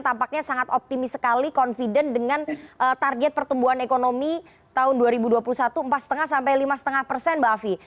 tampaknya sangat optimis sekali confident dengan target pertumbuhan ekonomi tahun dua ribu dua puluh satu empat lima sampai lima lima persen mbak afi